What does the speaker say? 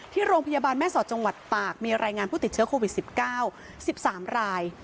ที่โรงพยาบาลแม่สอดจังหวัดตากมีรายงานผู้ติดเชื้อโควิด๑๙๑๓ราย